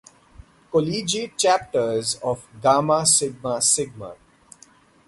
Collegiate chapters of Gamma Sigma Sigma.